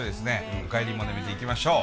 「おかえりモネ」見ていきましょう。